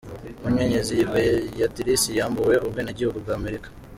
Munyenyezi Beyatirise yambuwe ubwenegihugu bwa Amerika